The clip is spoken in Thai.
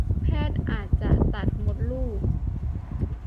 แพทย์อาจจะตัดมดลูก